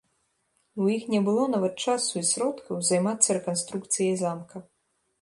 У іх не было нават часу і сродкаў займацца рэканструкцыяй замка.